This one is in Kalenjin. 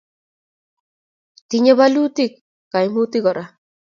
tinyei bolutik kaimutik kora